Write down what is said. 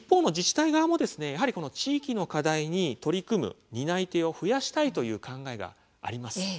体側も地域の課題に取り組む担い手を増やしたいという考えがあります。